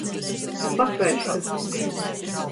Pakraiškys.